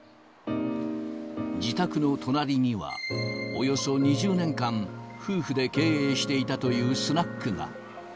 自宅の隣には、およそ２０年間、夫婦で経営していたというスナックが。